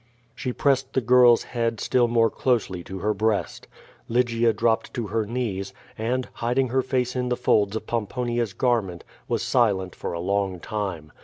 She pressed the girl's head still more closely to her breast. Lygia dropped to her knees, and, hiding her face in the folds of Pomponia's garment, was silent for a long time.